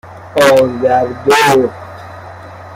آذردخت